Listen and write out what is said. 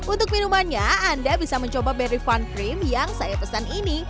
untuk minumannya anda bisa mencoba berry funcream yang saya pesan ini